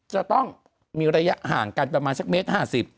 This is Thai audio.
จะต้องมีระยะห่างกันประมาณสักเมตร๕๐